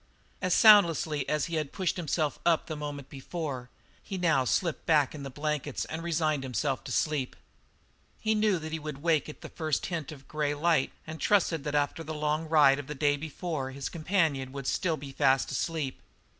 As soundlessly as he had pushed himself up the moment before, he now slipped down in the blankets and resigned himself to sleep. He knew that he would wake at the first hint of grey light and trusted that after the long ride of the day before his companion would still be fast asleep.